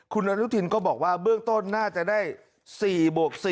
คุณอนุทินก็บอกว่าเบื้องต้นน่าจะได้๔บวก๔